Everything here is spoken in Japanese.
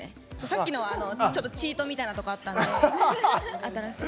さっきのチートみたいなところあったんで。